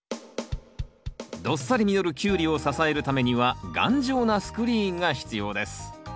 どっさり実るキュウリを支えるためには頑丈なスクリーンが必要です。